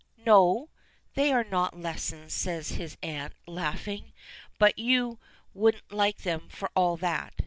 "No; they are not lessons," says his aunt, laughing. "But you won't like them for all that.